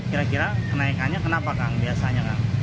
kira kira kenaikannya kenapa kang biasanya kang